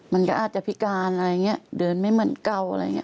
มันก็อาจจะพิการอะไรอย่างนี้เดินไม่เหมือนเก่าอะไรอย่างนี้